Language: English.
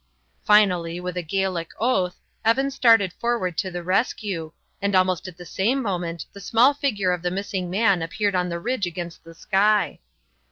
Finally, with a Gaelic oath, Evan started forward to the rescue, and almost at the same moment the small figure of the missing man appeared on the ridge against the sky.